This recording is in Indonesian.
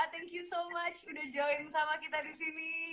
thank you so much udah join sama kita disini